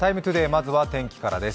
まずは天気からです。